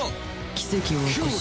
奇跡を起こし。